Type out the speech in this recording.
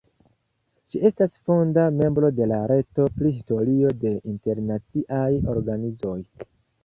Ŝi estas fonda membro de la "Reto pri Historio de internaciaj organizoj".